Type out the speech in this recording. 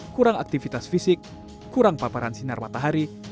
kurang aktivitas fisik kurang paparan sinar matahari